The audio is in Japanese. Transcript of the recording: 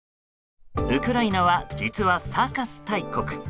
ウクライナは実はサーカス大国。